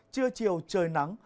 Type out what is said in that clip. trưa chiều trời nắng